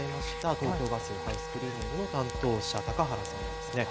東京ガス・ハウスクリーニングの担当者、高原さんです。